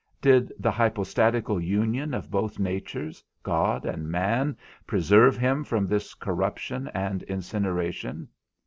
Did the hypostatical union of both natures, God and man, preserve him from this corruption and incineration?